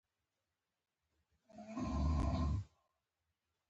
قطب الدین بختیار، نعمت الله اقطب افغان بللی دﺉ.